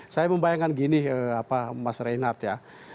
saya membayangkan gini mas reinhardt ya